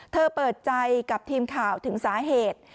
เปิดใจกับทีมข่าวถึงสาเหตุ